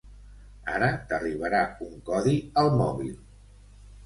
Ara t'arribarà un codi al mòbil.